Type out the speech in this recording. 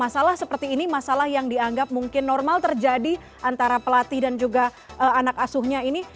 masalah seperti ini masalah yang dianggap mungkin normal terjadi antara pelatih dan juga anak asuhnya ini